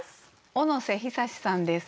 小野瀬壽さんです。